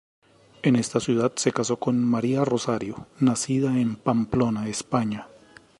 En esta ciudad se casó con María Rosario, nacida en Pamplona, España.